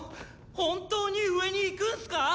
本当に上に行くんスか⁉あ？